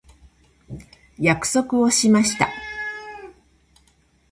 約束をしました。